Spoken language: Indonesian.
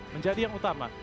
menjadi yang utama